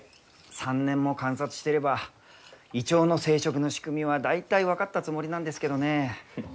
３年も観察してればイチョウの生殖の仕組みは大体分かったつもりなんですけどね。